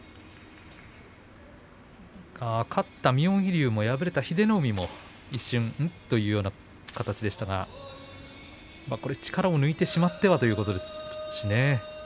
勝った妙義龍も敗れた英乃海も一瞬、ん？というような形でしたが力を抜いてしまってはということですしね。